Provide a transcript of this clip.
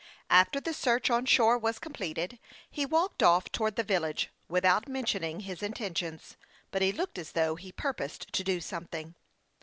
After the search on shore was completed, he walked off towards the village without mention ing his intentions, but he looked as though he pur posed to do something.